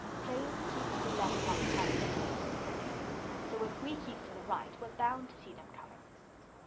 "Trains keep to the left like carriages," said Peter, "so if we keep to the right, we're bound to see them coming."